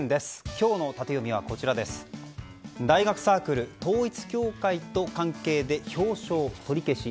今日のタテヨミは大学サークル、統一教会と関係で表彰取り消し。